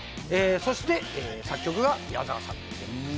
そして作曲は矢沢さん。